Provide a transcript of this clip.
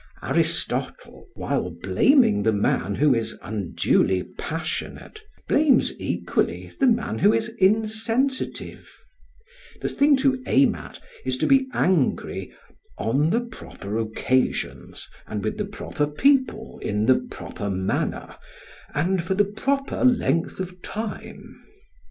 Aristotle, while blaming the man who is unduly passionate, blames equally the man who is insensitive; the thing to aim at is to be angry "on the proper occasions and with the proper people in the proper manner and for the proper length of time."